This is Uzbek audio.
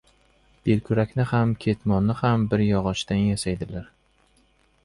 • Belkurakni ham, ketmonni ham bir yog‘ochdan yasaydilar.